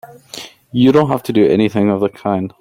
You don't have to do anything of the kind!